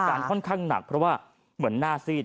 ค่อนข้างหนักเพราะว่าเหมือนหน้าซีด